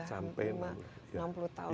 sampai enam puluh tahun